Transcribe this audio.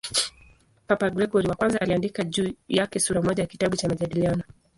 Papa Gregori I aliandika juu yake sura moja ya kitabu cha "Majadiliano".